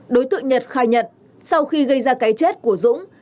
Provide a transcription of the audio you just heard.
đối tượng nhật khai nhận sau khi gây ra cái chết của dũng